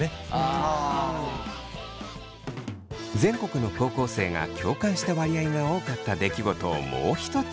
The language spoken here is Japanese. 全国の高校生が共感した割合が多かった出来事をもう一つ。